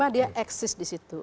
dua ratus lima dia eksis di situ